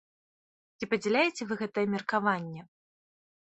Ці падзяляеце вы гэтае меркаванне?